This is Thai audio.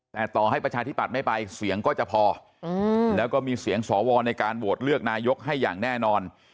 แต่ต่อให้ประชาธิบัติไม่ไปเสียงก็จะพอแล้วก็มีเสียงสวในการโหวตเลือกนายกให้อย่างแน่นอน